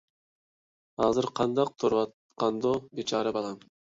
ھازىر قانداق تۇرۇۋاتقاندۇ بىچارە بالام...